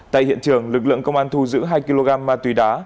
tại hiện trường lực lượng công an thu giữ hai kg ma túy đá